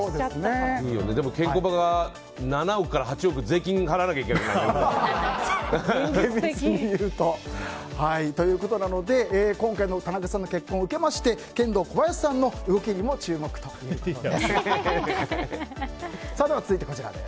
でもケンコバが７億から８億税金払わなきゃいけなくなるね。ということなので今回の田中さんの結婚を受けましてケンドーコバヤシさんの動きにも注目ということです。